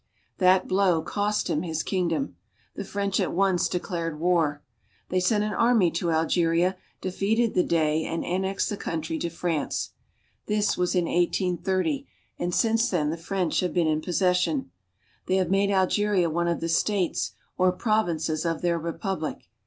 That blow cost him his kingdom. The French at once declared war. They sent an army to Algeria, defeated the Dey, and annexed the country to France. This was in 1830, and since then the French have been in possession. They have made Algeria one of the states or provinces of their Republic.